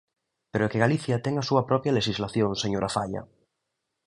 ¡Pero é que Galicia ten a súa propia lexislación, señora Faia!